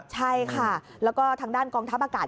ใช่ค่ะแล้วก็ทางด้านกองทัพอากาศ